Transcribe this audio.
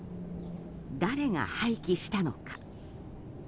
誰が廃棄したのか？